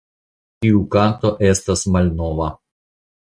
Tiu kanto estas malnova.